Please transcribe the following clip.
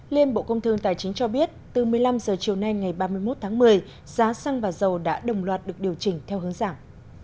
liên bộ công thương tài chính cho biết từ một mươi năm h chiều nay ngày ba mươi một tháng một mươi giá xăng và dầu đã đồng loạt được điều chỉnh theo hướng dạng